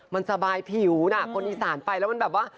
มันสบายผิวนะคนอีสานไปแล้วมันแบบว่า